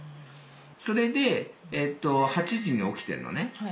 それで８時に起きてんのね。